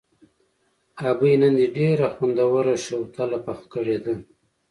ابۍ نن دې ډېره خوندوره شوتله پخه کړې ده.